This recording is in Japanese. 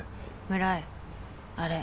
村井あれ。